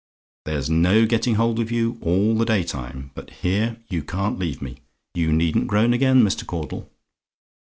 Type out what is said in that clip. There's no getting hold of you all the day time but here you can't leave me. You needn't groan again, Mr. Caudle.